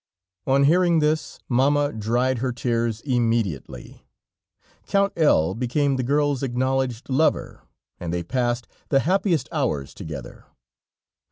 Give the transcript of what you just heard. On hearing this, Mamma dried her tears immediately. Count L became the girl's acknowledged lover, and they passed the happiest hours together.